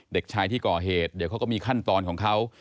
เด็กชายที่ก่อเหตุเดี๋ยวเขาก็มีขั้นตอนของเขา